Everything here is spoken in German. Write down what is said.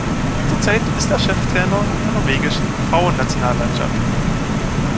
Zurzeit ist er Cheftrainer der norwegischen Frauennationalmannschaft.